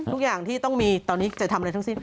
ทุกอย่างที่ต้องมีตอนนี้จะทำอะไรทั้งสิ้น